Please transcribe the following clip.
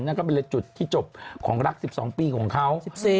นั่นก็เป็นเลยจุดที่จบของรัก๑๒ปีของเขา